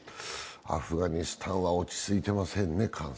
アフガニスタンは落ち着いていませんね。